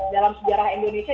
dalam sejarah indonesia